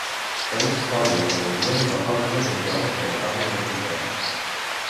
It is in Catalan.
Kate odia la pressió i la falta de control que la fama li ha portat.